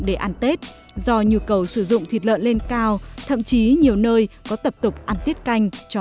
để ăn tết do nhu cầu sử dụng thịt lợn lên cao thậm chí nhiều nơi có tập tục ăn tiết canh